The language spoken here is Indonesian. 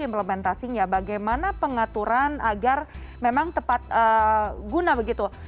basing ya bagaimana pengaturan agar memang tepat guna begitu